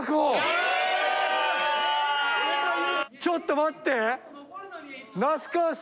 ちょっと待って。